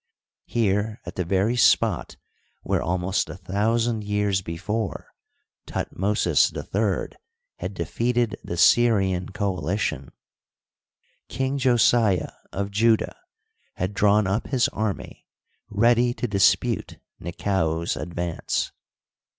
Here, at the very spot where, almost a thousand years be fore, Thutmosis III had defeated the Syrian coalition, King Josia, of Judah, had drawn up his army ready to dispute Nekau 's advance.